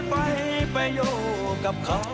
แล้วค่อยไปไปโยกับเขา